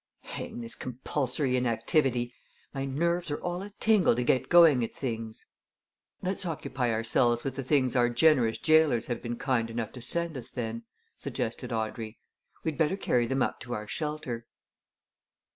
Hang this compulsory inactivity! my nerves are all a tingle to get going at things!" "Let's occupy ourselves with the things our generous gaolers have been kind enough to send us, then," suggested Audrey. "We'd better carry them up to our shelter."